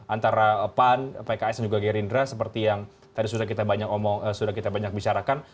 antara pan pks dan juga gerindra seperti yang tadi sudah kita banyak omong sudah kita banyak bicarakan